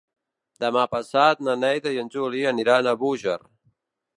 Demà passat na Neida i en Juli aniran a Búger.